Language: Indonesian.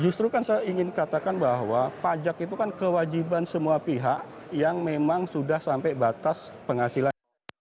justru kan saya ingin katakan bahwa pajak itu kan kewajiban semua pihak yang memang sudah sampai batas penghasilan